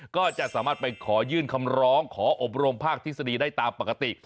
ก็จะสามารถไปขอยื่นคำร้องขออบรมภาคทฤษฎีได้ตามปกติ